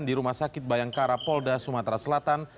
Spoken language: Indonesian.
di rumah sakit bayangkara polda sumatera selatan